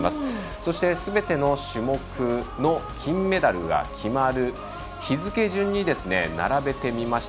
そしてすべての種目の金メダルが決まる日付順に並べてみました。